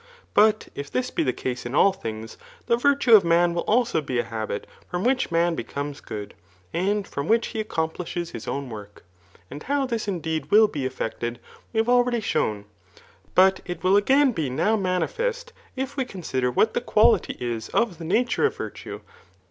But if this be the case idi at! things, the virfue of man also will be a habit, froia which man becomes good, and from which he accon^ plishes his own work. And how this indeed will be effected we have already shown; but it will again be now manifest, if we consider what the quality is of the nature of virtue.